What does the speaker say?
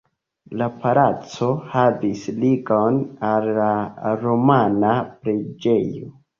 La palaco havis ligon al la romana preĝejo.